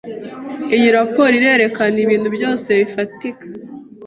Iyi raporo irerekana ibintu byose bifatika.